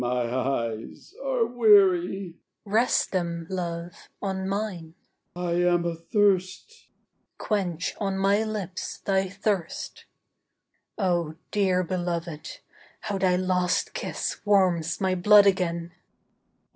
He My eyes are weary. She Rest, them, love, on mine. He I am athirst. She Quench, on my lips, thy thirst. O dear belovéd, how thy last kiss warms My blood again!